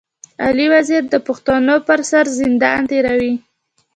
علي وزير د پښتنو پر سر زندان تېروي.